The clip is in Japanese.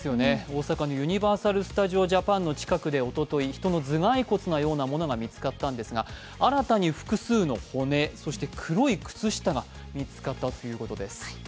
大阪のユニバーサル・スタジオ・ジャパンの近くでおととい、人の頭蓋骨のようなものが見つかったんですが新たに複数の骨、そして黒い靴下が見つかったということです。